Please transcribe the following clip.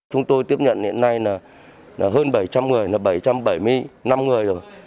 chúng tôi tiếp nhận hiện nay là hơn bảy trăm linh người là bảy trăm bảy mươi năm người rồi